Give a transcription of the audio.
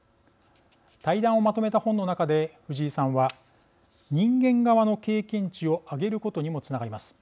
対談をまとめた本の中で藤井さんは「人間側の経験値を上げることにもつながります。